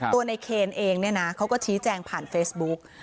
ตัวในเคนเองเนี่ยนะเขาก็ชี้แจงผ่านเฟซบุ๊ก